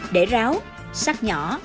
để ráo sát nhỏ